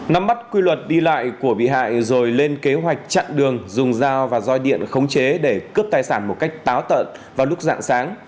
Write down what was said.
nắm mắt quy luật đi lại của bị hại rồi lên kế hoạch chặn đường dùng dao và roi điện khống chế để cướp tài sản một cách táo tận vào lúc dạng sáng